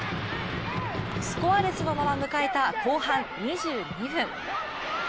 スコアレスのまま迎えた後半２２分。